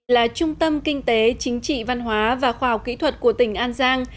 là trung tâm kinh tế chính trị văn hóa và khoa học kỹ thuật của tỉnh an giang